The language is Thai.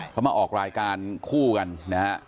เขามาออกรายการคู่กันนะฮะ